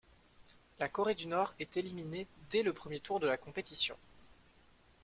La Corée du Nord est éliminée dès le premier tour de la compétition.